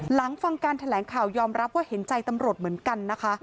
หลังฟังการแถลงข่าวยอมรับว่าเห็นใจตำรวจเหมือนกันนะคะ